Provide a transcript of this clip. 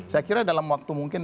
saya kira dalam waktu mungkin